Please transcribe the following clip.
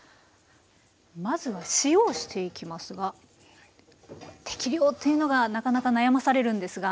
まずは塩をしていきますが適量っていうのがなかなか悩まされるんですが。